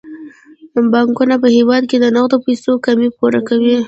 بانکونه په هیواد کې د نغدو پيسو کمی پوره کوي.